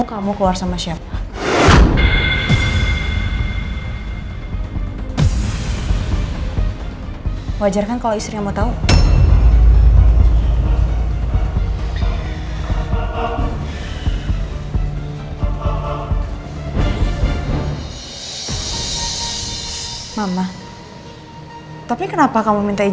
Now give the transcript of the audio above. kamu keluar sama siapa